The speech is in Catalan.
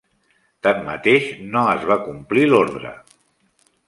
Tanmateix, no es va complir l'ordre.